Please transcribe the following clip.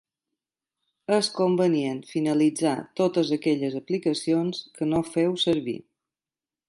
És convenient finalitzar totes aquelles aplicacions que no feu servir.